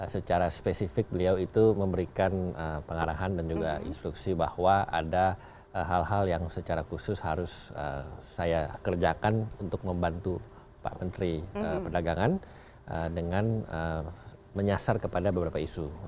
secara spesifik beliau itu memberikan pengarahan dan juga instruksi bahwa ada hal hal yang secara khusus harus saya kerjakan untuk membantu pak menteri perdagangan dengan menyasar kepada beberapa isu